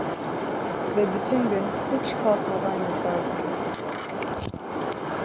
Ve bütün gün, hiç kalkmadan yatardı.